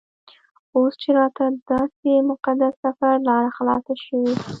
اوس چې راته دداسې مقدس سفر لاره خلاصه شوې.